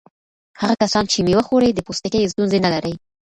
هغه کسان چې مېوه خوري د پوستکي ستونزې نه لري.